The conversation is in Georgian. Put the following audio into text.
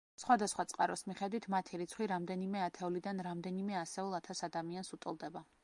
სხვადასხვა წყაროს მიხედვით მათი რიცხვი რამდენიმე ათეულიდან რამდენიმე ასეულ ათას ადამიანს უტოლდება.